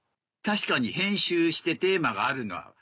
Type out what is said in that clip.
確かに編集してテーマがあるのは。